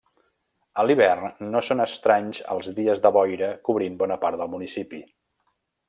A l'hivern no són estranys els dies de boira cobrint bona part del municipi.